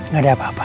gak ada apa apa